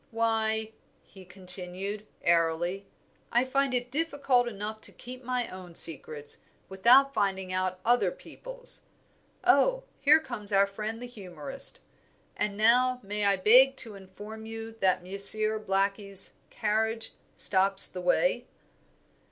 Why," he continued, airily, "I find it difficult enough to keep my own secrets, without finding out other people's. Oh, here comes our friend the humourist. And now may I beg to inform you that Monsieur Blackie's carriage stops the way."